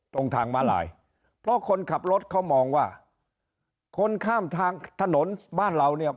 ตรงทางมาลายเพราะคนขับรถเขามองว่าคนข้ามทางถนนบ้านเราเนี่ย